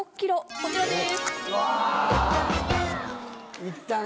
こちらです。